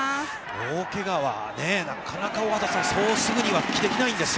大けがはなかなか大畑さん、そうすぐには復帰できないんですか。